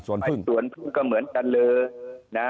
ไปที่สวนพึ่งก็เหมือนกันเลยนะ